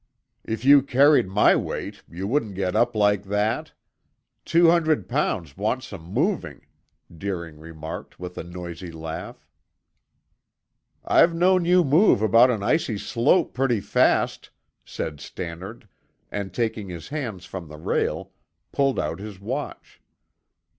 "If you carried my weight, you wouldn't get up like that. Two hundred pounds wants some moving," Deering remarked with a noisy laugh. "I've known you move about an icy slope pretty fast," said Stannard, and taking his hands from the rail, pulled out his watch.